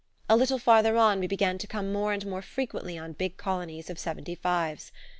A little farther on we began to come more and more frequently on big colonies of "Seventy fives."